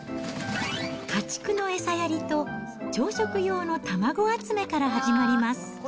家畜の餌やりと、朝食用の卵集めから始まります。